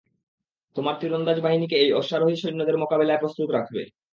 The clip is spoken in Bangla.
তোমার তীরন্দাজ বাহিনীকে এই অশ্বারোহী সৈন্যদের মোকাবিলায় প্রস্তুত রাখবে।